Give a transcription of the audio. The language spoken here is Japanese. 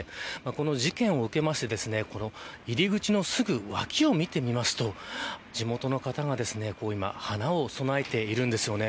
この事件を受けまして入り口のすぐ脇を見てみますと地元の方が花を供えているんですよね。